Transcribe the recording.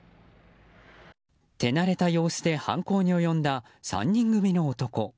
手慣れた様子で犯行に及んだ３人組の男。